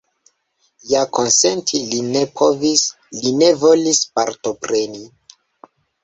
Ja konsenti li ne povis, li ne volis partopreni.